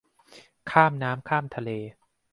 ข้ามน้ำข้ามทะเล